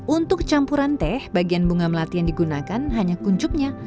untuk campuran teh bagian bunga melati yang digunakan hanya kuncupnya